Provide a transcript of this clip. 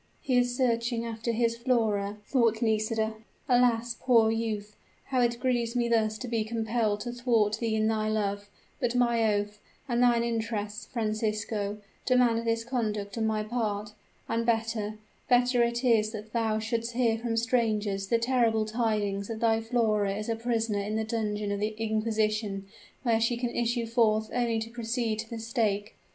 "He is searching after his Flora," thought Nisida. "Alas, poor youth how it grieves me thus to be compelled to thwart thee in thy love! But my oath and thine interests, Francisco, demand this conduct on my part. And better better it is that thou shouldst hear from strangers the terrible tidings that thy Flora is a prisoner in the dungeon of the inquisition, where she can issue forth only to proceed to the stake!